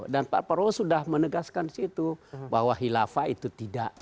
dan pak prabowo sudah menegaskan di situ bahwa hilafah itu tidak